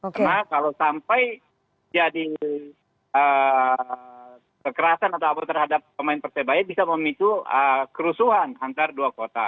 karena kalau sampai jadi kekerasan atau apa terhadap pemain persebaya bisa memicu kerusuhan antar dua kota